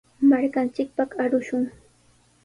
Markanchikpaq arushun.